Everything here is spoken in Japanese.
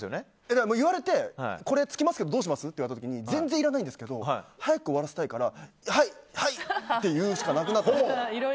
だから言われてこれ、つきますけどどうします？って言われた時に全然いらないんですけど早く終わらせたいからはい、はい！って言うしかなくなって。